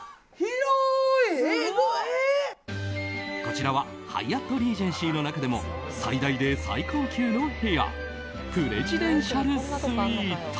こちらはハイアットリージェンシーの中でも最大で最高級の部屋プレジデンシャルスイート。